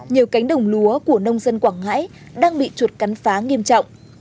nhiều cánh đồng lúa của nông dân quảng ngãi đang bị chuột cắn phá nghiêm trọng